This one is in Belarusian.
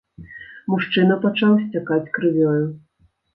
Мужчына пачаў сцякаць крывёю.